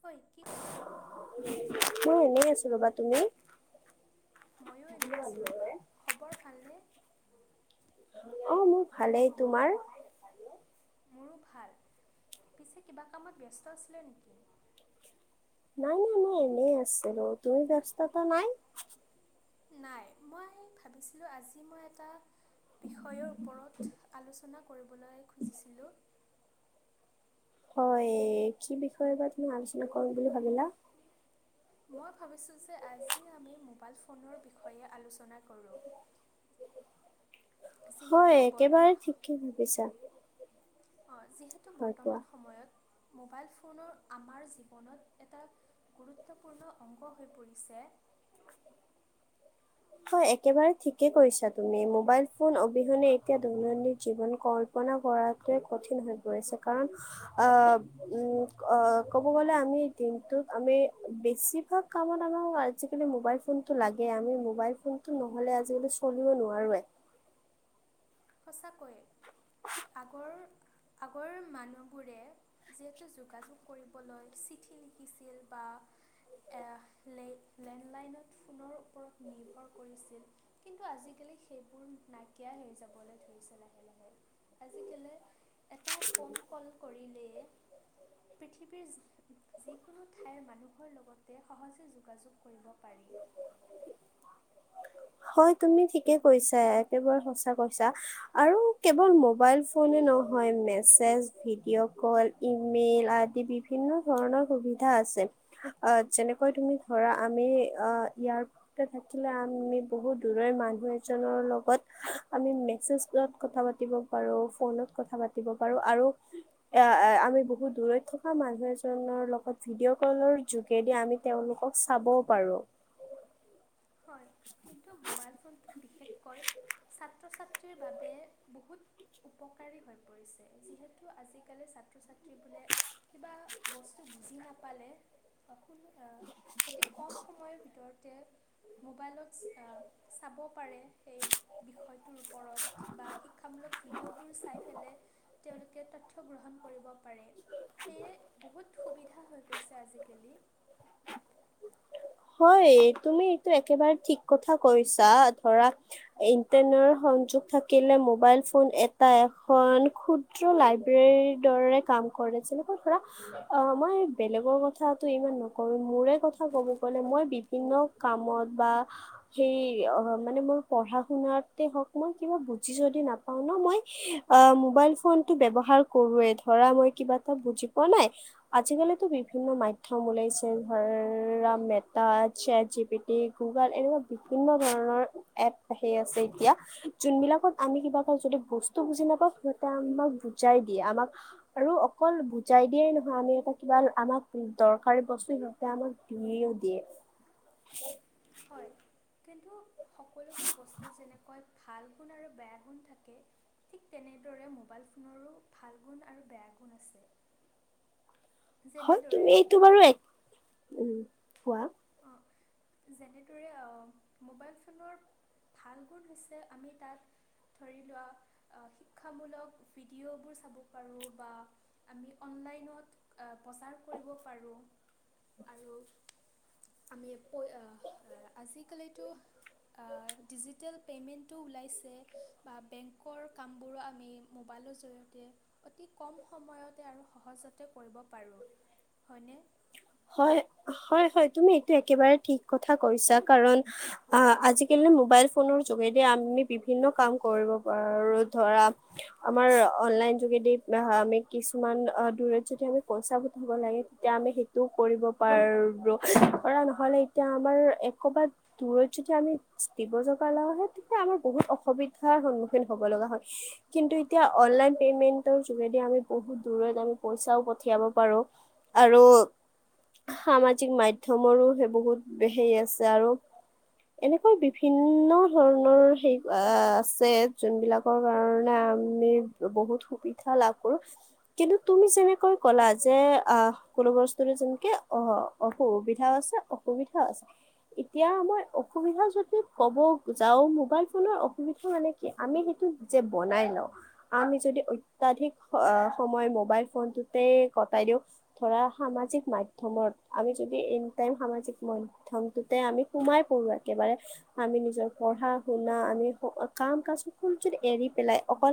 হয় কি? মই, এনেই আছো ৰ'বা তুমি? মইয়ো এনে আছোঁ ৰবা। খবৰ ভালনে? অ, মোৰ ভালেই, তোমাৰ? মোৰো ভাল। পিছে কিবা কামত ব্যস্ত আছিলে নেকি? নাই, নাই, মই এনেই আছিলো তুমি ব্যস্তাটো নাই? নাই, ভাবিছিলোঁ আজি মই এটা বিষয়ৰ ওপৰত আলোচনা কৰিবলৈ খুজিছিলোঁ। হয়, কি বিষয়ে বা তুমি আলোচনা কৰো বুলি ভাবিলা। মই ভাবিিচো যে আজি আমি মোবাইল ফোনৰ বিষয়ে আলোচনা কৰোঁ। যিহেতু হয়, একেবাৰে বৰ্তমান স- ঠিকে ভাবিছা। অ যিহেতু হয় কোৱা বৰ্তমান সময়ত মোবাইল ফোনৰ আমাৰ জীৱনত এটা গুৰুত্বপূৰ্ণ অংগ হৈ পৰিছে হয় একেবাৰে ঠিকে কৈছা তুমি মোবাইল ফোন অবিহনে এতিয়া দৈনন্দিন জীৱন ক পনা কৰাটোৱে কঠিন হৈ পৰিছে কাৰণ আহ উম অ ক'ব গলে আমি দিনটোত আমি বেছিভাগ কামত আমাৰ আজিকালি মোবাইল ফোনটো লাগে আমি মোবাইল ফোনটো নহলে আজিকালি চলিবও নোৱাৰোয়ে সঁচাকৈয়ে আগৰ আগৰ মানুহবোৰে যিহেতু যোগাযোগ কৰিবলৈ চিঠি লিখিছিল বা এ লে লেণ্ডলাইনত ফোনৰ ওপৰত নিৰ্ভৰ কৰিছিল কিন্তু আজিকালি সেইবোৰ নাইকিয়া হৈ যাব বলৈ ধৰিছে লাহে লাহে আজিকালি এটা ফোন ক'ল কৰিলে পৃথিৱীৰ যিকোনো ঠাইৰ মানুহৰ লগতে সহজে যোগাযোগ কৰিব পাৰি হয় তুমি ঠিকে কৈছা একেবাৰে সঁচা কৈছা আৰু কেৱল মোবাইল ফোনে নহয় মেছেজ ভিডিঅ' কল ইমেইল আদি বিভিন্ন ধৰণৰ সুবিধা আছে যেনেকৈ তুমি ধৰা আমি ইয়াৰ থাকিলে আমি বহু দূৰৈৰ মানুহ এজনৰ লগত আমি মেছেজত কথা পাতিব পাৰো ফোনত কথা পাতিব পাৰো আৰু আমি বহু দূৰৈত থকা মানুহ এজনৰ লগত ভিডিঅ' কলৰ যোগেদি আমি তেওঁলোকক চাব পাৰোঁ হয় কিন্তু মোবাইল ফোনটো বিশেষকৈ ছাত্ৰ ছাত্ৰীৰ বাবে বহুত উপকাৰী হৈ পৰিছে যিহেতু আজিকালি ছাত্ৰ ছাত্ৰী বোলে কিবা বস্তু বুজি নাপালে [unintelligible] অতি কম সময়ৰ ভিতৰতে মোবাইলত চাব পাৰে সেই বিষয়টোৰ ওপৰত বা শিক্ষামূলক ভিডিঅবোৰ চাই পেলাই তেঁওলোকে তা তথ্য গ্ৰহণ কৰিব পাৰে সেয়ে বহুত সুবিধা হৈ গৈছে আজিকালি। হয়, তুমি এইটো একেবাৰে ঠিক কথা কৈছা। ধৰা ইণ্টাৰনেট সংযোগ থাকিলে মোবাইল ফোন এটা এখন ক্ষুদ দ্ৰ লাইব্ৰেৰীৰ দৰে কাম কৰে। যেনেকৈ ধৰা অ', মই বেলেগৰ কথাটো ইমান নকম মোৰে কথা ক'ব গ'লে মই বিভিন্ন কামত বা সেই অ' মানে মোৰ পঢ়া শুনাতে হওঁক মই কিবা বুজি যদি নাপাওঁ ন মই অ', মোবাইল ফোনটো ব্যৱহাৰ কৰোৱে ধৰা মই কিবা এটা বুজি পোৱা নাই। আজিকালিতো বিভিন্ন মাধ্যম ওলাইছে ধৰা Meta, set G P T, Google এনেকুৱা বিভিন্ন ধৰণৰ এপ আহি আছে এতিয়া। যোনবিলাকত আমি কিবা এটি যদি বস্তু বুজি নাপাওঁ সিহঁতে আমাক বুজাই দিয়ে। আমাক আৰু অকল বুজাই দিয়েই নহয় আমি এটা কিবা আমাক দৰকাৰী বস্তু সিহঁতে আমাক দিয়েও। দিয়ে। হয়। কিন্তু সকলোবোৰ বস্তুৰ যেনেকৈ ভাল গুণ আৰু গুণ থাকে। ঠিক তেনেদৰে মোবাইল ফোনৰো ভাল গুণ আৰু বেয়া গুণ আছে। হয়, যেনেদৰে তুমি এইটো বাৰু এক উম কোৱা। অ', যেনেদৰে অ' মোবাইল ফোনৰ ভাল গুণ হৈছে আমি তাক ধৰি লোৱা শিক্ষামূলক ভিডিঅ'বোৰ চাব পাৰোঁ বা আমি অনলাইনত অ' প্ৰচাৰ কৰিব পাৰো আৰু আমি পয় আ আজিকালিতো অ', ডিজিটেল পেমেন্তটো ওলাইছে। বা বেংকৰ কামবোৰো আমি মোবাইলৰ জৰিয়তে অতি কম সময়তে আৰু সহজতে কৰিব পাৰোঁ হয়নে? হয়, হয়, হয়, তুমি এইটো একেবাৰে ঠিক কথা কৈছা। কাৰণ আহ আজিকালি মোবাইল ফোনৰ যোগেদি আমি বিভিন্ন কাম কৰিব পাৰো ধৰা। আমাৰ অনলাইন যোগেদি আমি কিছুমান দূৰত যদি আমি পইচা ঘটিব লাগে। তেতিয়া আমি সেইটোও কৰিব পাৰো কৰা নহ'লে এতিয়া আমাৰ এ ক'ৰবাত দূৰত যদি আমি দিব লগা হয়ে তেতিয়া আমাৰ বহুত অসুবিধাৰ সন্মুখীন হব লগা হয়। কিন্ত এতিয়া অনলাইন পেমেন্ত যোগেদি আমি বহুত দূৰত আমি পইচাও পঠিয়াব পাৰো। আৰু সামাজিক মাধ্যমৰো সেইবোৰ বহুত হেৰি আছে আৰু এনেকুৱা বিভিন্ন ধৰণৰ হেৰি আছে যোনবিলাক কাৰণে আমি বহুত সুবিধা লাভ কৰো। কিন্তু তুমি যেনেকৈ ক'লা যে আহ কোনো বস্তু যেনেকে অ' সুবিধাও আছে অসুবিধাও আছে। এতিয়া আমাৰ অসুবিধা যদি ক'ব যাওঁ মোবাইল ফোনৰ অসুবিধা মানে কি? আমি সেইটো যে বনাই লওঁ। আমি যদি অত্যাধিক অ' সময় মোবাইল ফোনটোতে কটাই দিওঁ ধৰা সামাজিক মাধ্যমত আমি যদি এনি টাইম সামাজিক মাধ্যম টোতে আমি সোমাই পৰো একেবাৰে। আমি নিজৰ পঢ়া শুনা আমি কাম কাজ সকলো যদি এৰি পেলাই অকল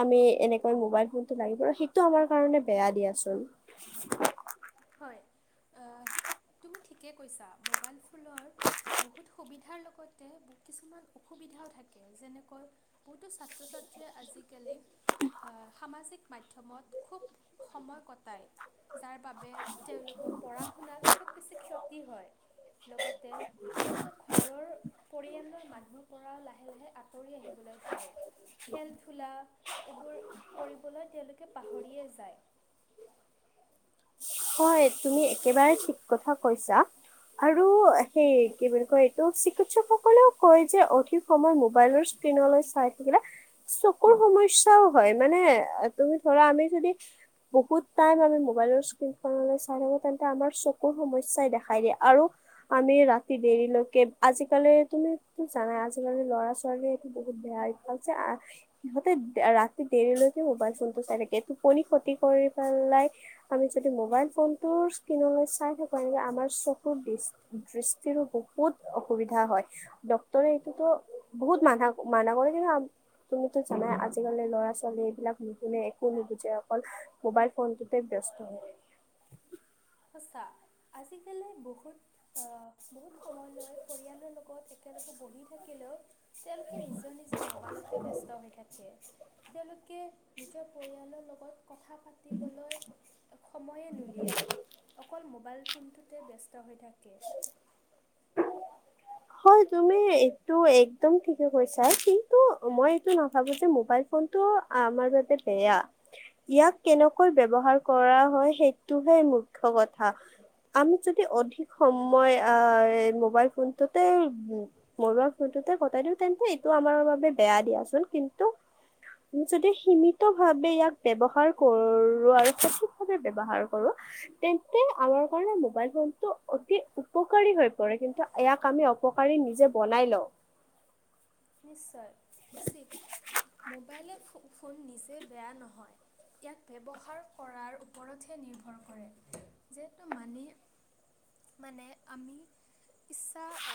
আমি এনেকৈ মোবাইল ফোনটো লাগিব সেইটো আমাৰ কাৰণে বেয়া দিয়া চোন। হয় তুমি ঠিকে কৈছা মোবাইল ফোনৰ। বহুত সুবিধাৰ লগতে কিছুমান অসুবিধাও থাকে যেনেকৈ। বহুতো ছাত্ৰ -ছাত্ৰীয়ে আজিকালি। সামাজিক মাধ্যমত খুব সময় কটায় যাৰ বাবে। বাবে তেওঁলোকৰ পঢ়া শুনাত খুব বেছি ক্ষতি হয় লগতে। তেওঁলোকে ঘৰৰ পৰিয়ালৰ মানুহৰ পৰা লাহে লাহে আঁতৰি আহিবলৈ ধৰে। খেলা ধূলা এইবোৰ কৰিবলৈ তেওঁলোকে পাহৰিয়ে যায়। হয় তুমি একেবাৰে ঠিক কথা কৈছা। আৰু সেই কি বুলি কয় এইটো চিকিৎসকসকলেও কয় যে অধিক। সময় মোবাইলৰ স্ক্ৰীণলৈ চাই থাকিলে। চকুৰ সমস্যাও হয় মানে তুমি ধৰা আমি যদি। বহুত টাইম আমি মোবাইলৰ। স্কীন খনলৈ চাইথাকিলে তেন্তে আমাৰ চকুৰ সমস্যাই দেখাই দিয়ে আৰু। আমি ৰাতি দেৰিলৈকে কে আজিকালি তুমি জানাই আজিকালিৰ ল'ৰা ছোৱালী বহুত বেয়া। ছে [unintelligible] সিহঁতে ৰাতি দেৰিলৈকে মোবাইল ফোন টো চাই থাকে টোপনি ক্ষতি কৰি পেলাই। আমি যদি মোবাইল ফোনটোৰ স্ক্ৰীণলৈ চাই থাকো এনেকৈ আমাৰ চকুৰ দৃষ্টি দৃষ্টিৰো বহুত। বহুত অসুবিধা হয় ডক্তৰে এইটোতো বহুত মানা মানা কৰে কিন্তু। তুমিতো জানাই আজিকালি ল'ৰা ছোৱালী এইবিলাক নুশুনে একো নুবুজে অকল। মোবাইল ফোনটোতে ব্যস্ত হয়। সঁচা আজিকালি বহুত অ বহুত সময়লৈ পৰিয়ালৰ লগত। তেওঁলোকে বহি থাকিলেও তেওঁলোকে নিজৰ নিজৰ মোবাইলতে ব্যস্ত হৈ থাকে। তেওঁলোকে নিজৰ পৰিয়ালৰ লগত। কথা পাতিবলৈ সময়ে নুলিয়াই। মোবাইল ফোনটোতে ব্যস্ত হৈ থাকে। হয় তুমি এইটো একদম ঠিকে কৈছা কিন্তু মই এইটো নাভাবো যে মোবাইল। ফোনটো আমাৰ বাবে বেয়া। ইয়াক কেনেকৈ ব্যৱহাৰ কৰা হয় সেইটোহে মুখ্য কথা। আমি যদি অধিক সময় আ এ মোবাইল ফোনটোতেই। মৰোৱাৰ ফোনটোতে কতাই দিওঁ তেন্তে এইটো আমাৰ বাবে বেয়া দিয়াচোন কিন্তু আমি যদি সীমিত ভাৱে ইয়াক ব্যৱহাৰ কৰো আৰু সঠিকভাৱে ব্যৱহাৰ কৰো তেন্তে আমাৰ কাৰণে মোবাইল ফোনতটো অতি উপকাৰী হৈ পৰে কিন্তু আ ইয়াক আমি অপকাৰী নিজে বনাই লওঁ। নিশ্চয় উচিত মোবাইলে ফো ফোন নিজে বেয়া নহয়। ইয়াক ব্যৱহাৰ কৰাৰ ওপৰতহে নিৰ্ভৰ কৰে যে তো মানি মানে আমি ইচ্ছা আ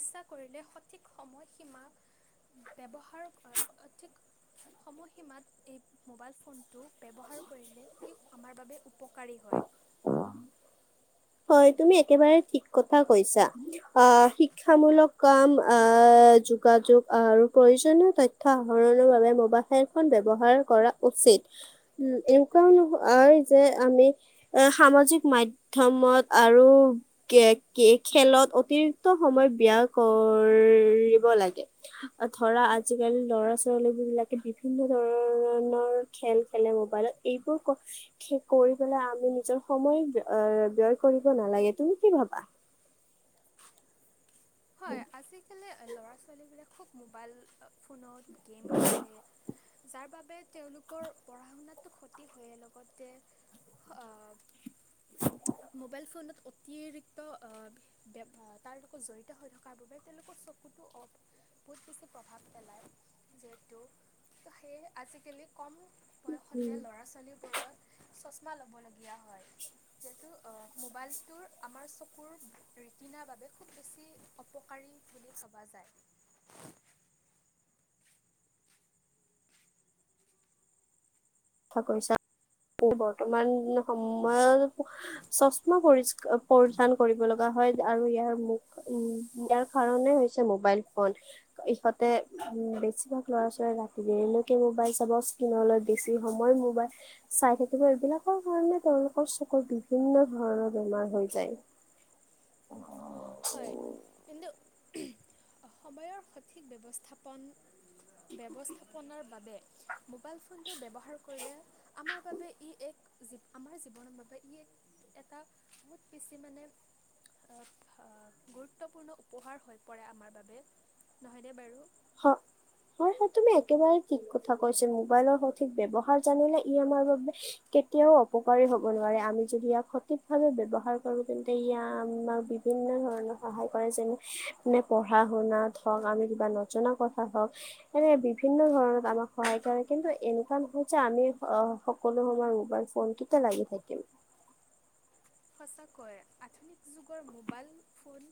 ইচ্ছা কৰিলে সঠিক সময় সীমা ব্যৱহাৰ অ' আ সঠিক সময়সীমাত এই মোবাইল ফোনটো ব্যৱহাৰ কৰিলে ই আমাৰ বাবে উপকাৰী হয়। হয় তুমি একেবাৰে ঠিক কথা কৈছা। আহ শিক্ষামূলক কাম আ যোগাযোগ আৰু প্ৰয়োজনীয় তথ থ্য আহৰণৰ বাবে মোবা খেলখন ব্যৱহাৰ কৰা উচিত। উম এনেকুৱাও নহয় আৰু যে আমি এ সামাজিক মাধ্যমত। আৰু। কে-কে খেলত অতিৰিক্ত সময় ব্যয়া কৰিব লাগে। ধৰা আজিকালি ল'ৰা ছোৱালী বিলাকে বিভিন্ন ধৰণৰ খেল খেলে মোবাইলত। এইবোৰ ক-কৰি পেলাই আমি নিজৰ সময় ব আ ব্যয় কৰিব নালাগে, তুমি কি ভাবা? হয়, আজিকালি ল'ৰা-ছোৱালী বিলাক খুব মোবাইল ফোনত গেম খেলে। যাৰ বাবে তেওঁলোকৰ পঢ়া শুনাতো ক্ষতি হয়ে লগতে। হ আ মোবাইল ফোনত অতিৰিক্ত অ', বে-ব্যৱহাৰ তাৰ লগত জড়ি ত হৈ থকাৰ বাবে তেওঁলোকৰ চকুটো অফ বহুত বেছি প্ৰভাৱ পেলায়, যিহেতু ত' সেইয়ে আজিকালি কম বয়সতে উম, ল'ৰা-ছোৱালীবোৰৰ চশমা ল'বলগীয়া হয়, যে তো অ', মোবাইলটো আমাৰ চকুৰ ৰেতিনা বাবে খুব বেছি বেছি অপকাৰী বুলি ভবা যায়। ক্ষ কৈছা, বৰ্তমান সময়ত স চচমা পৰিস্কা পৰিধান কৰিব লগা হয় আৰু ইয়াৰ মুখ উম, ইয়াৰ কাৰণে হৈছে মোবাইল ফোন। ইহঁতে উম, বেছিভাগ ল'ৰা-ছোৱালীয়ে ৰাতি দেৰিলৈকে মোবাইল চাব স্ক্ৰীনলৈ বেছ যি সময় মোবাই চাই থাকিব এইবিলাকৰ কাৰণে তেওঁলোকৰ চকুৰ বিভিন্ন ধৰণৰ বেমাৰ হৈ যায়। হয় কিন্তু [unintelligible] সময়ৰ সঠিক ব্যৱস্থাপন-ব্যৱস্থাপনাৰ বাবে। মোবাইল ফোনটো ব্যৱহাৰ কৰিলে আমাৰ বাবে ই এক জী আমাৰ জীৱনৰ বাবে ই এক এটা বহুত বেছি মানে অ', ফা গুৰুত্বপূৰ্ণ উপহাৰ হৈ পৰে আমাৰ বাব বে নহয়নে বাৰু? হয়। হয়-হয়, তুমি একেবাৰে ঠিক কথা কৈছা মোবাইলৰ সঠিক ব্যৱহাৰ জানিলে ই আমাৰ বাবে কেতিয়াও অপকাৰী হ'ব নোৱাৰে, আমি যদি ইয়াক সঠিকভাৱে ব্যৱহাৰ কৰোঁ তেন্তে ইয়া আমাৰ বি ভিন্ন ধৰণৰ সহায় কৰে, যেনে [unintelligible] পঢ়া শুনাত হওঁক আমি কিবা ন জনা, কথা হওক এনে বিভিন্ন ধৰণত আমাক সহায় কৰে, কিন্তু এনেকুৱা নহয় যে আমি অ' সকলো সময় মোবাইল ফোনটোতে লাগি থাকিম। সঁচাকৈ, আধুনিক যুগৰ মোবাইল ফোন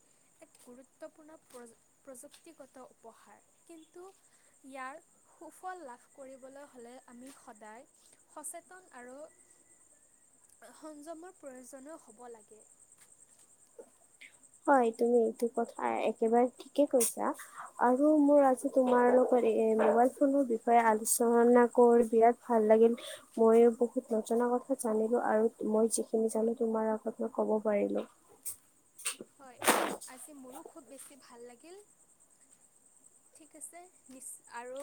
এক গুৰুত্বপূৰ্ণ প্ৰযু-প্ৰযুক্তিগত উপহাৰ, কিন্তু ইয়াৰ সুফল লাভ কৰিবলৈ হ'লে আমি সদায় সচেতন আৰু সংযমৰ প্ৰয়োজনো হ'ব লাগে। হয়, তুমি এইটো কথা একেবাৰে ঠিকে কৈছা। আৰু মোৰ আজি তোমাৰ লগত এ, মোবাইল ফোনৰ বিষয়ে আলোচনা কৰি বিৰাট ভাল লাগিল। ময়ো বহুত নজনা কথা জানিলোঁ আৰু মই যিখিনি জানো তোমাৰ আগত মই ক'ব পাৰিলোঁ। [inaudible] হয়, আজি মোৰো খুব বেছি ভাল লাগিল। ঠিক আছে, নিচ আৰু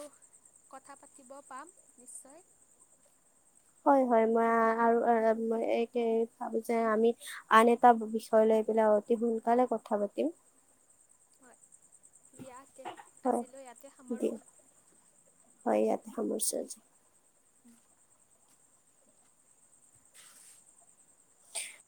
কথা পাতিব পাম নিশ্চয়। হয়, হয়, মই [unintelligible] আৰু এই কেই ভাবো যে আমি আন এটা বি-বিষয় লৈ পেলাই অতি সোনকালে কথা পাতিম। হয়, দিয়া তে হয় আজিলৈ ইয়াতে সামাৰোঁ। দিয়া হয়, ইয়াতে সামৰিছোঁ আজি। উম। [inaudible]